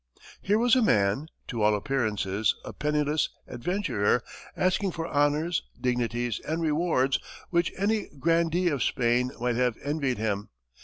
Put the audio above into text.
Here was a man, to all appearances a penniless adventurer, asking for honors, dignities and rewards which any grandee of Spain might have envied him.